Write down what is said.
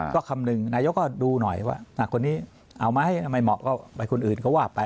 ก็คำหนึ่งนายกก็ดูหน่อยว่าคนนี้เอาไหมทำไมเหมาะก็ไปคนอื่นก็ว่าไป